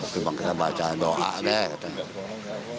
kita baca doa deh